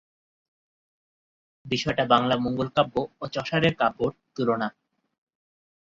বিষয়টা বাংলা মঙ্গলকাব্য ও চসারের কাব্যের তুলনা।